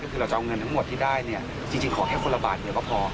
คือเราจะเอาเงินทั้งหมดที่ได้จริงขอแค่คนละบาทเดียวก็พอ